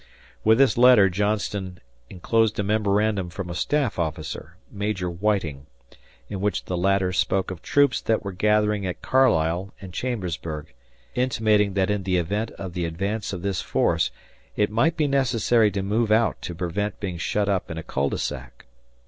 With this letter Johnston enclosed a memorandum from a staff officer, Major Whiting, in which the latter spoke of troops that were gathering at Carlisle and Chambersburg, intimating that in the event of the advance of this force it might be necessary to move out to prevent being shut up in a cul de sac.